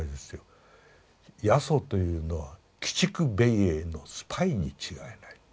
耶蘇というのは鬼畜米英のスパイに違いない。